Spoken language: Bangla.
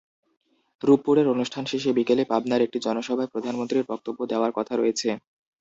রূপপুরের অনুষ্ঠান শেষে বিকেলে পাবনার একটি জনসভায় প্রধানমন্ত্রীর বক্তব্য দেওয়ার কথা রয়েছে।